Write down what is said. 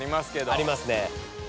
ありますね。